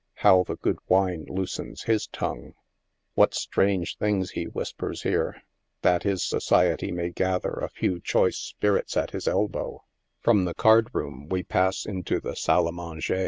how the good wine loosens his tongue ! What strange things he whispers hero, that his society may gather a few choice spirits THE FASHIONABLE CONCERT SALOON. 9 at his elbow ! From the card room we pass into the salle a manger.